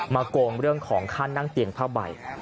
โกงเรื่องของค่านั่งเตียงผ้าใบ